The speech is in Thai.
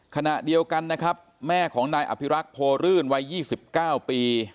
ขณะเดียวกันนะครับแม่ของนายอภิรักษ์โพรื่นวัย๒๙ปี